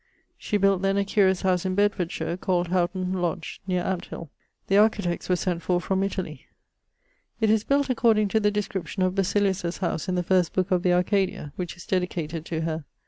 She built then a curious house in Bedfordshire called Houghton Lodge neer Ampthill. The architects were sent for from Italie. It is built according to the description of Basilius's house in the first booke of the Arcadia (which is dedicated to her).